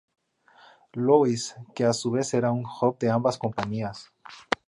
Louis, que a su vez era un hub de ambas compañías.